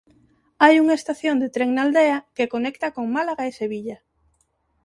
Hai unha estación de tren na aldea que conecta con Málaga e Sevilla.